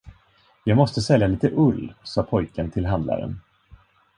”Jag måste sälja lite ull”, sa pojken till handlaren.